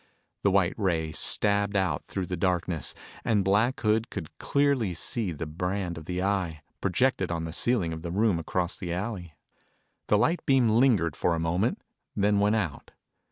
The white ray stabbed out through the darkness, and Black Hood could clearly see the brand of the Eye, projected on the ceiling of the room across the alley. The light beam lingered for a moment, then went out.